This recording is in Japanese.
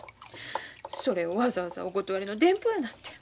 それをわざわざお断りの電報やなんて。